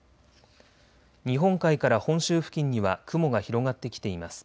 日本海から本州付近には雲が広がってきています。